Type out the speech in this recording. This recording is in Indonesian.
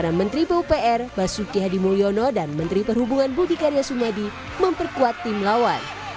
pemain pengganti dari upr basuki hadimulyono dan menteri perhubungan budi karya sumadi memperkuat tim lawan